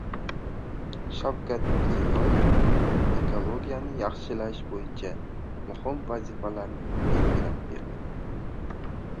Shavkat Mirziyoyev ekologiyani yaxshilash bo‘yicha muhim vazifalarni belgilab berdi